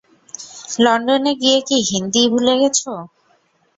লন্ডনে গিয়ে কি হিন্দি ভুলে গেছো?